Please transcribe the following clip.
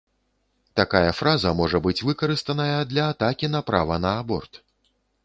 Такая фраза можа быць выкарыстаная для атакі на права на аборт.